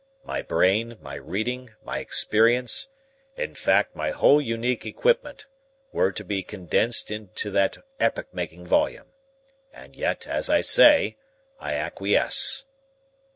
My brain, my reading, my experience in fact, my whole unique equipment were to be condensed into that epoch making volume. And yet, as I say, I acquiesce."